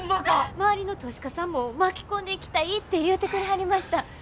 周りの投資家さんも巻き込んでいきたいって言うてくれはりました。